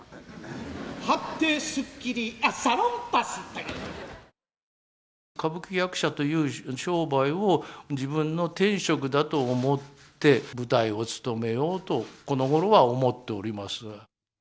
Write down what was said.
貼ってすっきり、あっ、サロンパ歌舞伎役者という商売を、自分の天職だと思って、舞台をつとめようと、このごろは思っております。